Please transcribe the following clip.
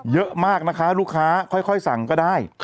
เยอะมากนะคะลูกค้าค่อยสั่งก็ได้